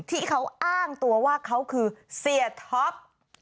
ที่เขาอ้างตัวว่าเขาคือเสียท็อป